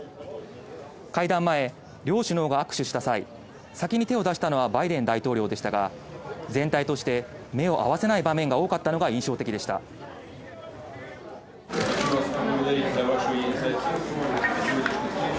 会談前、両首脳が握手した際先に手を出したのはバイデン大統領でしたが全体として、目を合わせない場面が多かったのが印象的でした。